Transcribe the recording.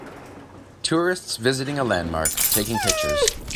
Tourists visiting a landmark, taking pictures.